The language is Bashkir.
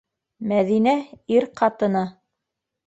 Мәҙинә - ир ҡатыны.